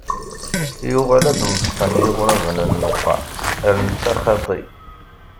Yuɣal ad d-neṭqen yiɣraben n uxxam ar netta xaṭi.